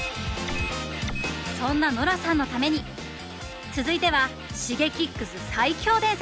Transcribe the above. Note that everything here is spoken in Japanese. そんなノラさんのために続いては「Ｓｈｉｇｅｋｉｘ最強伝説」！